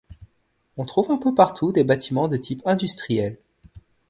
On trouve un peu partout des bâtiments de type industriel.